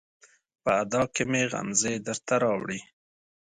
په ادا کې مې غمزې درته راوړي